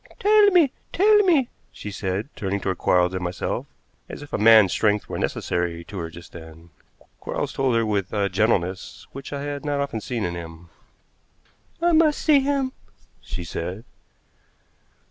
"Tell me! Tell me!" she said, turning toward Quarles and myself, as if a man's strength were necessary to her just then. Quarles told her with a gentleness which I had not often seen in him. "I must see him," she said.